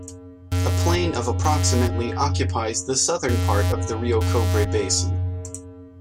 A plain of approximately occupies the southern part of the Rio Cobre basin.